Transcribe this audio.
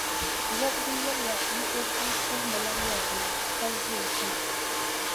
Wɔbigu yɛliya ni o bia suhimila nyɛvili, pa zoosim.